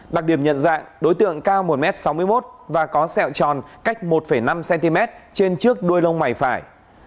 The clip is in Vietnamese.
đặc điểm nhận dạng đối tượng cao một m sáu mươi một và có sẹo tròn cách một năm cm trên trước đuôi lông mày phải